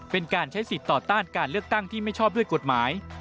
เป็นการใช้สิทธิ์ต่อต้านการเลือกตั้งที่ไม่ชอบด้วยกฎหมาย